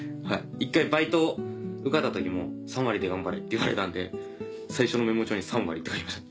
１回バイト受かった時も「３割で頑張れ」って言われたんで最初のメモ帳に「３割」って書きました。